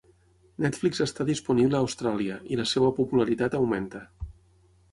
Netflix està disponible a Austràlia, i la seva popularitat augmenta.